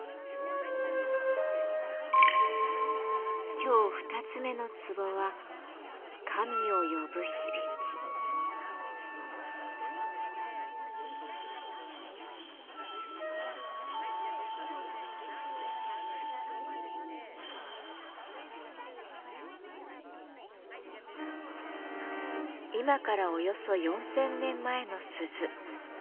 今日２つ目の壺は今からおよそ４，０００年前の鈴縄文土鈴です。